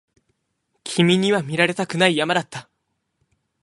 君には見られたくない山だった